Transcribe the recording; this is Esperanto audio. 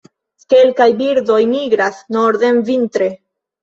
Kelkaj birdoj migras norden vintre.